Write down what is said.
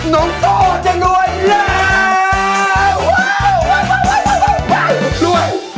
น้องตู้จะรวยแล้ว